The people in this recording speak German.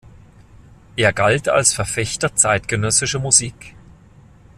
Er galt als Verfechter zeitgenössischer Musik.